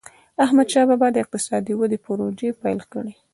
احمدشاه بابا به د اقتصادي ودي پروژي پیل کړي.